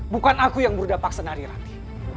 bukan aku yang berdampak senari ranti